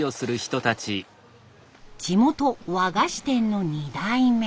地元和菓子店の２代目。